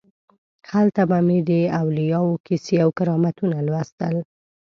هلته به مې د اولیاو کیسې او کرامتونه لوستل.